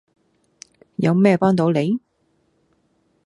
有咩幫到你?